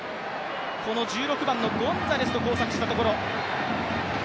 この１６番のゴンザレスと交錯したというところ。